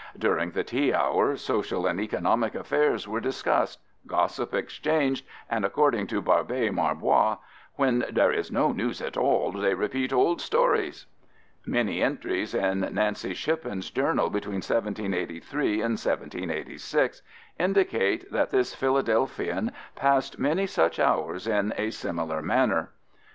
During the tea hour social and economic affairs were discussed, gossip exchanged, and, according to Barbé Marbois, "when there is no news at all, they repeat old stories." Many entries in Nancy Shippen's journal between 1783 and 1786 indicate that this Philadelphian passed many such hours in a similar manner.